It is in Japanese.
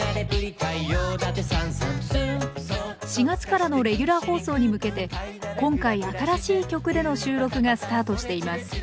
４月からのレギュラー放送に向けて今回新しい曲での収録がスタートしています。